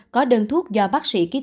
có đơn thuốc do bác sĩ ký tên